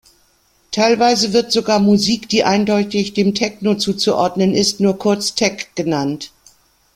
Teilweise wird sogar Musik, die eindeutig dem Techno zuzuordnen ist, nur kurz „Tech“ genannt.